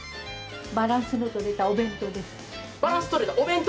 バランスのとれたお弁当です。